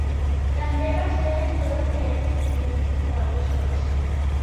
També va ser editor de diaris i polític de Wisconsin.